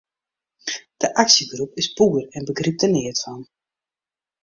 De aksjegroep is poer en begrypt der neat fan.